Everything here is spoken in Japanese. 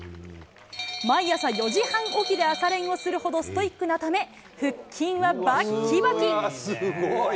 毎朝４時半起きで朝練をするほどストイックなため、腹筋はばっきばき。